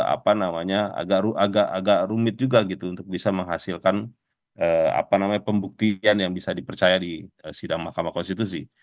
apa namanya agak rumit juga gitu untuk bisa menghasilkan pembuktian yang bisa dipercaya di sidang mahkamah konstitusi